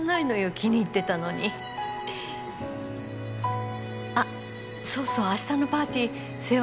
気に入ってたのにあっそうそう明日のパーティー政和